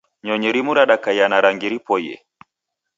Nyonyi rimu radakaiya na rangi ripoiye